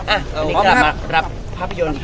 อารัก